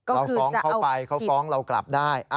เราฟ้องเขาไปเขาฟ้องเรากลับได้